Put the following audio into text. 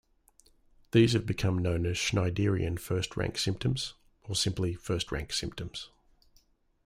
These have become known as Schneiderian First-Rank Symptoms or simply, first-rank symptoms.